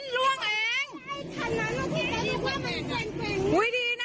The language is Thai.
ล่วงจริง